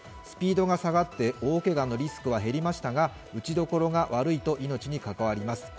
スピ−ドが下がって大けがのリスクは減りましたが打ちどころが悪いと命に関わります